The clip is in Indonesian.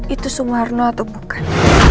itu sumarno atau bukan